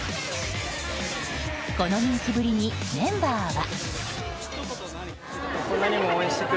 この人気ぶりにメンバーは。